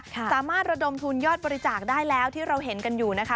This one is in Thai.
สามารถระดมทุนยอดบริจาคได้แล้วที่เราเห็นกันอยู่นะคะ